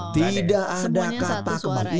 tidak ada kata kembali